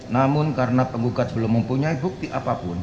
namun karena penggugat belum mempunyai bukti apapun